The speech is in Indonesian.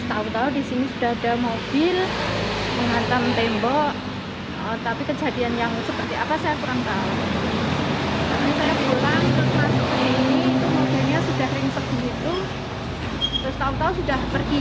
akhirnya sudah ringsek begitu terus tau tau sudah pergi gitu aja